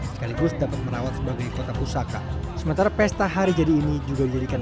sekaligus dapat merawat sebagai kota pusaka sementara pesta hari jadi ini juga dijadikan